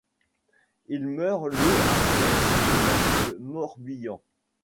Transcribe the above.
Il meurt le à Theix dans le Morbihan.